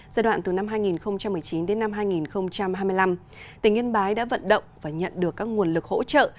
giai đoạn từ năm hai nghìn một mươi chín đến năm hai nghìn hai mươi năm tỉnh yên bái đã vận động và nhận được các nguồn lực hỗ trợ